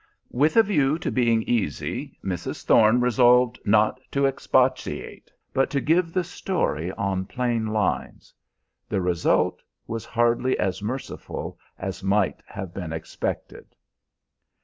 With a view to being "easy," Mrs. Thorne resolved not to expatiate, but to give the story on plain lines. The result was hardly as merciful as might have been expected.